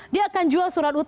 dia akan jual surat utang